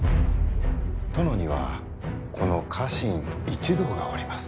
殿にはこの家臣一同がおります。